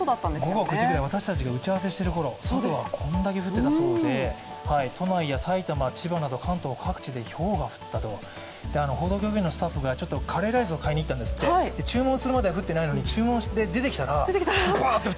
午後９時ぐらい、私たちが打ち合わせしていたころ、外はこんなに降っていたそうで都内や埼玉、千葉など関東各地でひょうが降ったと報道局員のスタッフが買い物しに行ってたんですって注文するまでは降ってないのに注文して出てきたらバーっと。